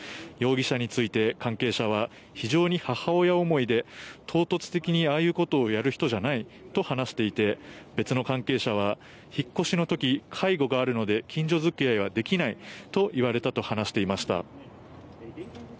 容疑者について関係者は非常に母親思いで唐突的にああいうことをやる人じゃないと話していて別の関係者は引っ越しの時、介護があるので近所付き合いはできないと言われたと話していました。